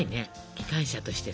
機関車としてさ。